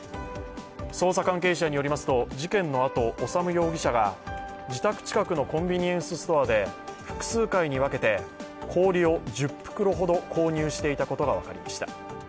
捜査関係者によりますと事件のあと修容疑者が自宅近くのコンビニエンスストアで複数回に分けて氷を１０袋ほど購入していたことが分かりました。